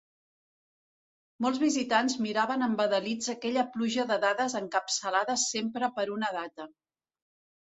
Molts visitants miraven embadalits aquella pluja de dades encapçalades sempre per una data.